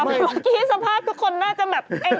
เมื่อกี้สภาพทุกคนน่าจะแบบ